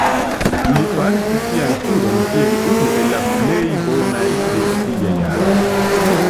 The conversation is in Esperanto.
Li faris sian studon kiel unu el la plej bonaj de sia jaro.